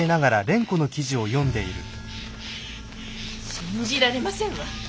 信じられませんわ。